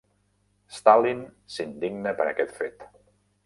Stalin s'indigna per aquest fet.